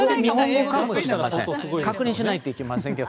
確認しないといけませんけど。